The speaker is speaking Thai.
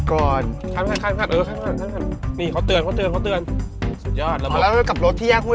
ควงหรอควงหรือควงนะ